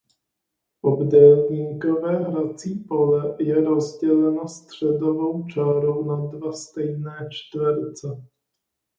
Obdélníkové hrací pole je rozděleno středovou čárou na dva stejné čtverce.